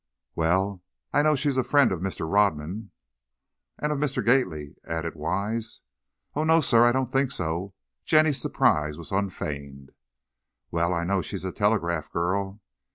"Well, I know she's a friend of Mr. Rodman." "And of Mr. Gately," added Wise. "Oh, no, sir, I don't think so!" Jenny's surprise was unfeigned. "Well, I know she's a telegraph girl."